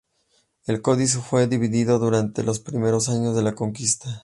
El códice fue dividido durante los primeros años de la conquista.